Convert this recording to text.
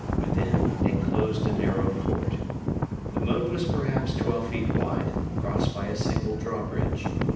Within, it enclosed a narrow court. The moat was perhaps twelve feet wide, crossed by a single drawbridge.